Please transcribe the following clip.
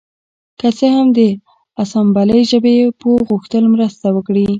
که څه هم د اسامبلۍ ژبې پوه غوښتل مرسته وکړي